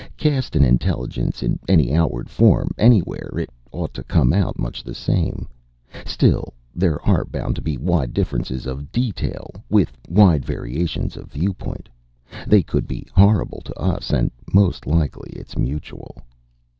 Cast an intelligence in any outward form, anywhere, it ought to come out much the same. Still, there are bound to be wide differences of detail with wide variations of viewpoint. They could be horrible to us. And most likely it's mutual."